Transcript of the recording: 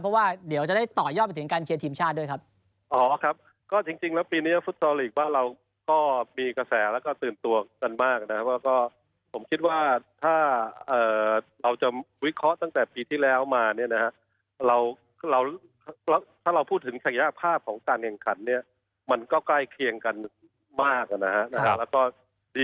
เพราะว่าเดี๋ยวจะได้ต่อยอดไปถึงการเชียร์ทีมชาติด้วยครับ